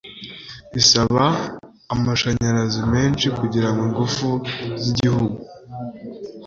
Bisaba amashanyarazi menshi kugirango ingufu zigihugu.